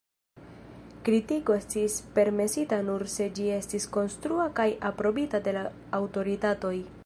Kritiko estis permesita nur se ĝi estis “konstrua” kaj aprobita de la aŭtoritatoj.